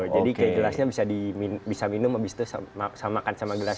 kayak gelasnya bisa minum abis itu sama makan sama gelas